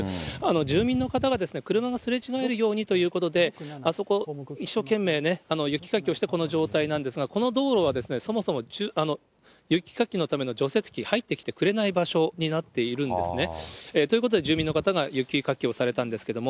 住民の方が車がすれ違えるようにということで、あそこ、一生懸命ね、雪かきをしてこの状態なんですが、この道路は、そもそも雪かきのための除雪機入ってきてくれない場所になっているんですね。ということで、住民の方が雪かきをされたんですけども。